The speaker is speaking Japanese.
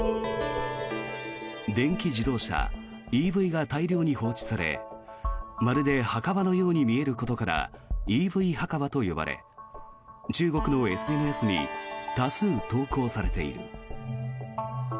電気自動車・ＥＶが大量に放置されまるで墓場のように見えることからＥＶ墓場と呼ばれ中国のＳＮＳに多数投稿されている。